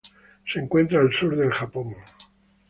Se encuentran al sur del Japón.